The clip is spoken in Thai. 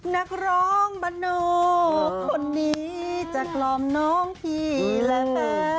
นักร้องบรรโนคนนี้จะกลอมน้องพี่และแม่